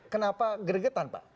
kenapa geregetan pak